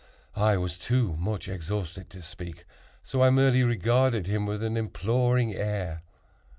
I was too much exhausted to speak, so I merely regarded him with an imploring air.